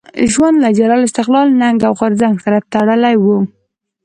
ژوند له جلال، استقلال، ننګ او غورځنګ سره تړلی وو.